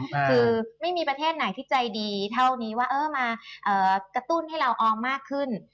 คือไม่มีประเทศไหนที่ใจดีเท่านี้ว่าเออมากระตุ้นให้เราออมมากขึ้น